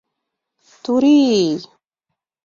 — Турий!